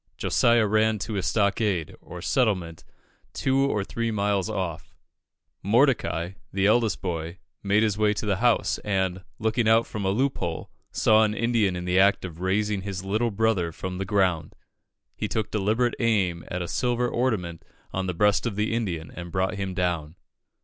Josiah ran to a stockade, or settlement, two or three miles off; Mordecai, the eldest boy, made his way to the house, and, looking out from a loop hole, saw an Indian in the act of raising his little brother from the ground. He took deliberate aim at a silver ornament on the breast of the Indian, and brought him down.